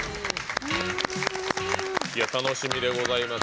楽しみでございます。